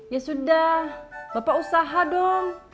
ya sudah bapak usaha dong